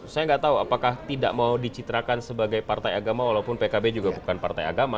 saya nggak tahu apakah tidak mau dicitrakan sebagai partai agama walaupun pkb juga bukan partai agama